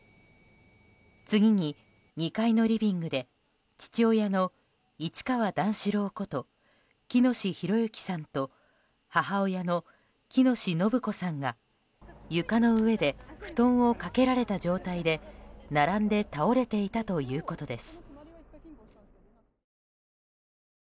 次に、２階のリビングで父親の市川段四郎こと喜熨斗弘之さんと母親の喜熨斗延子さんが床の上で布団をかけられた状態で並んで倒れていたということです。